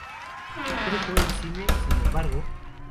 No dejó el cine, sin embargo.